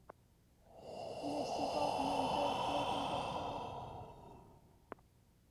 Wnes i weld nhw'n fyw flwyddyn dwytha.